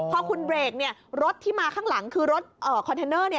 พอคุณเบรกรถที่มาข้างหลังคือรถคอนเทนเนอร์